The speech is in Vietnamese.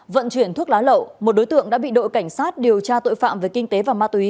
vận chuyển thuốc lá lậu một đối tượng đã bị đội cảnh sát điều tra tội phạm về kinh tế và ma túy